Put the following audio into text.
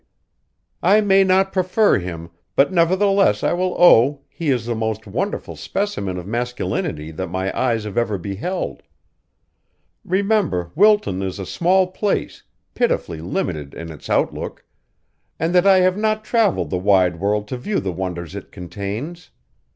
"I may not prefer him, but nevertheless I will own he is the most wonderful specimen of masculinity that my eyes have ever beheld. Remember Wilton is a small place, pitifully limited in its outlook, and that I have not traveled the wide world to view the wonders it contains.